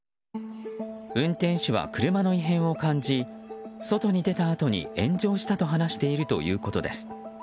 運転手は車の異変を感じ外に出たあとに炎上したと話しているということです。